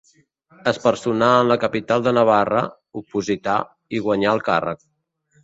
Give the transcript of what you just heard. Es personà en la capital de Navarra, oposità i guanyà el càrrec.